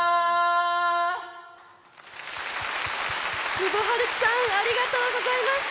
久保陽貴さんありがとうございました。